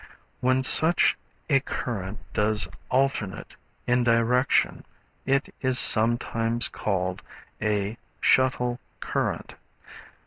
When such a current does alternate in direction it is sometimes called a "shuttle current."